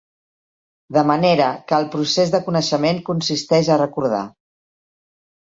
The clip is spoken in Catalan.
...de manera que el procés de coneixement consisteix a recordar.